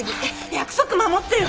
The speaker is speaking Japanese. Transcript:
約束守ってよ。